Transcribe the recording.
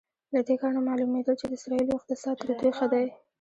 له دې کار نه معلومېدل چې د اسرائیلو اقتصاد تر دوی ښه دی.